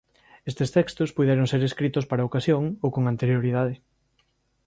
Estes textos puideron ser escritos para a ocasión ou con anterioridade.